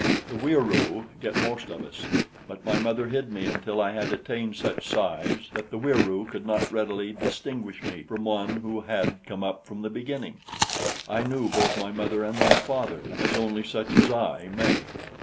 The Wieroo get most of us; but my mother hid me until I had attained such size that the Wieroo could not readily distinguish me from one who had come up from the beginning. I knew both my mother and my father, as only such as I may.